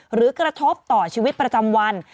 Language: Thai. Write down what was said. หรือกระทบต่อชีวิตประจำวัน